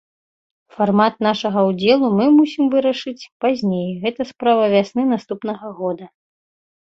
Фармат нашага ўдзелу мы мусім вырашыць пазней, гэта справа вясны наступнага года.